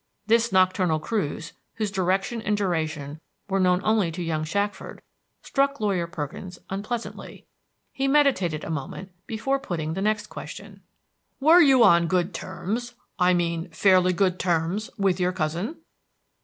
This nocturnal cruise, whose direction and duration were known only to young Shackford, struck Lawyer Perkins unpleasantly. He meditated a moment before putting the next question. "Were you on good terms I mean fairly good terms with your cousin?"